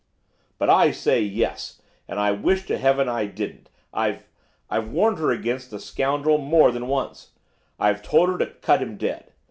'But I say yes! and I wish to heaven I didn't. I I've warned her against the scoundrel more than once; I I've told her to cut him dead.